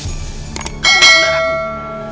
tapi nenek aku